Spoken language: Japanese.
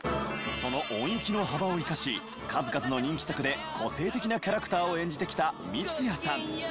その音域の幅を生かし数々の人気作で個性的なキャラクターを演じてきた三ツ矢さん。